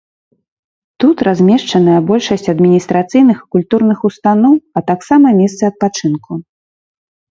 Тут размешчаная большасць адміністрацыйных і культурных устаноў, а таксама месцы адпачынку.